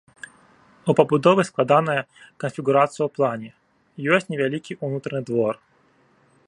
У пабудовы складаная канфігурацыя ў плане, ёсць невялікі ўнутраны двор.